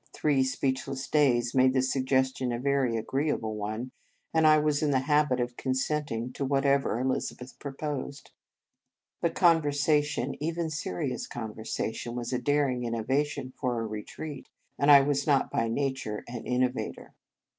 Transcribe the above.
Three speechless days made the suggestion a very agreeable one, and I was in the habit of consenting to whatever Elizabeth proposed. But conversa 88 In Retreat tion, even serious conversation, was a daring innovation for a retreat, and I was not by nature an innovator.